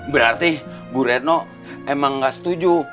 berarti bu retno emang gak setuju